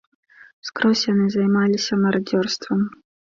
Скрозь яны займаліся марадзёрствам.